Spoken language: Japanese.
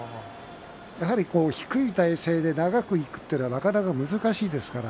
低い体勢で長くいくというのはなかなか難しいです。